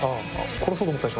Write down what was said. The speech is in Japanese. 殺そうと思ったでしょ